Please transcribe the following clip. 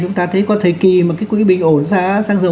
chúng ta thấy có thời kỳ mà cái quỹ bình ổn giá xăng dầu